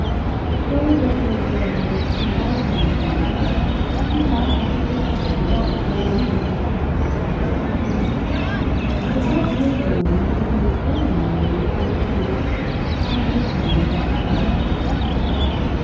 Though he greatly enjoyed Heyst's involuntary grimace, he sat perfectly stolid waiting for the effect of the call. It brought Pedro in with an extraordinary, uncouth, primeval impetuosity.